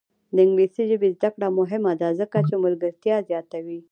د انګلیسي ژبې زده کړه مهمه ده ځکه چې ملګرتیا زیاتوي.